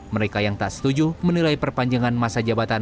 mereka yang tak setuju menilai perpanjangan masa jabatan